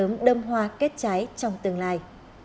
sớm đâm hoa kết trái trong tương lai